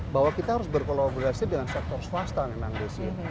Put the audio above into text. bahwa kita harus berkolaborasi dengan sektor swasta yang nanggesi